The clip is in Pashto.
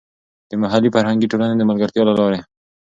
د محلي فرهنګي ټولنې د ملګرتیا له لارې.